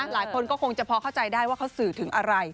หลายคนก็คงจะพอเข้าใจได้ว่าเขาสื่อถึงอะไร